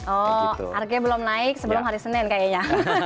oh harganya belum naik sebelum hari senin kayaknya